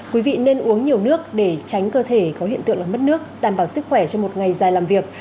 quý vị nên uống nhiều nước để tránh cơ thể có hiện tượng là mất nước đảm bảo sức khỏe cho một ngày dài làm việc